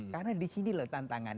karena di sini loh tantangan